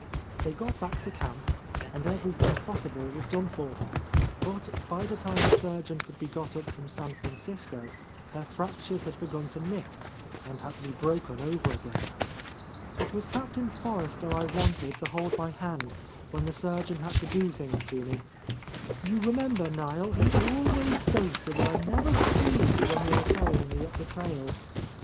They got back to camp, and everything possible was done for her, but by the time a surgeon could be got up from San Francisco, her fractures had begun to knit and had to be broken over again. "It was Captain Forrester I wanted to hold my hand when the surgeon had to do things to me. You remember, Niel, he always boasted that I never screamed when they were carrying me up the trail.